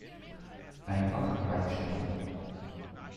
Einfach reinstechen!